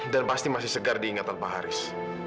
dan pasti masih segar diingatan pak haris